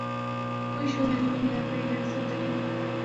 Wish you many many happy returns of the day.